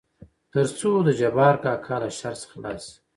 تر څو دجبار کاکا له شر څخه خلاص شي.